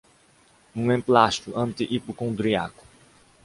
um emplastro anti-hipocondríaco